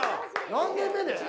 何年目で？